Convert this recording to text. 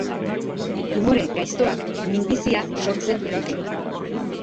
Tumore gaiztoak minbizia sortzen dute.